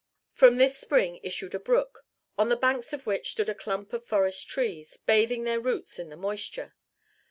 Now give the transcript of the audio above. From this spring issued a brook, on the banks of which stood a clump of forest trees, bathing their roots in the moisture.